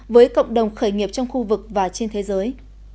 với cộng đồng khởi nghiệp trong khu vực và trên thế giới